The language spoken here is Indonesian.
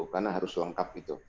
karena harus lengkap itu